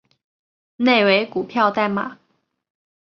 内为股票代码